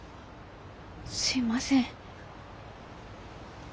すいません。